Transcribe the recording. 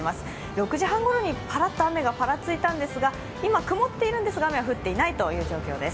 ６時半ごろにぱらっと雨がぱらついたんですが今、曇っているんですが雨は降っていない状況です。